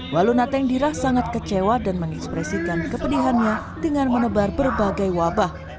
waluna tengdira sangat kecewa dan mengekspresikan kepedihannya dengan menebar berbagai wabah